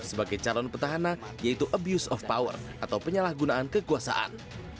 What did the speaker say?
sebagai calon petahana yaitu abuse of power atau penyalahgunaan kekuasaan